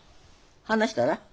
話したら？